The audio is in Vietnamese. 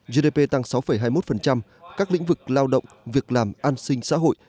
gdp tăng sáu hai mươi một các lĩnh vực lao động việc làm an sinh xã hội